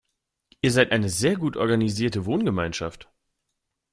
Ihr seid eine sehr gut organisierte Wohngemeinschaft.